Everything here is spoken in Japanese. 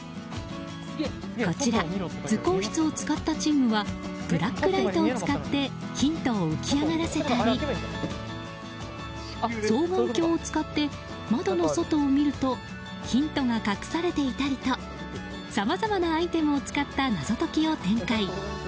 こちら、図工室を使ったチームはブラックライトを使ってヒントを浮き上がらせたり双眼鏡を使って窓の外を見るとヒントが隠されていたりとさまざまなアイテムを使った謎解きを展開。